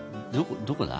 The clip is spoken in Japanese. どこだ？